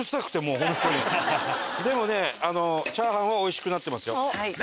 でもねチャーハンはおいしくなってますよ。